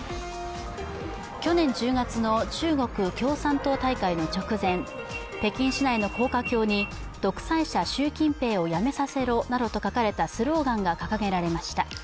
去年１０月の中国共産党大会の直前、北京市内の高架橋に「独裁者習近平を辞めさせろ」などと書かれたスローガンが掲げられました。